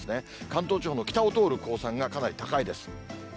関東地方の北を通る公算がかなり高いです。